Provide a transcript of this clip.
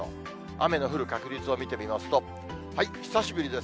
雨の降る確率を見てみますと、久しぶりです。